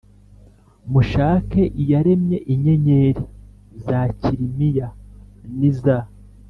mushake Iyaremye inyenyeri za Kilimiya n iza